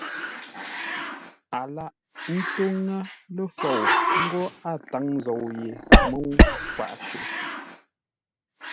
A lâghʼ ńtó ńŋə́ lə́ fou ńgó a táŋ zou yé mə́u kwaʼ shʉʼʉ,